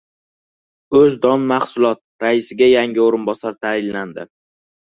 «O‘zdonmahsulot» raisiga yangi o‘rinbosar tayinlandi